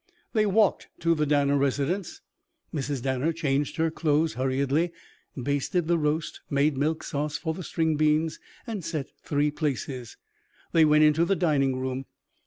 They walked to the Danner residence. Mrs. Danner changed her clothes hurriedly, basted the roast, made milk sauce for the string beans, and set three places. They went into the dining room.